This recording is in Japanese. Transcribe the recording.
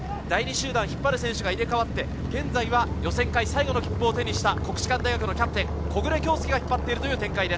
第２集団を引っ張る選手が入れ替わって現在は予選会最後の切符を手にした国士舘大学のキャプテン木榑杏祐が引っ張っています。